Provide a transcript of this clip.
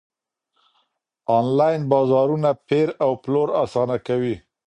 انلاين بازارونه پېر او پلور اسانه کوي.